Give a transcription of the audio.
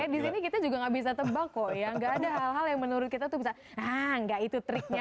disini kita juga nggak bisa tebak oh ya nggak ada hal hal yang menurut kita tuh nggak itu triknya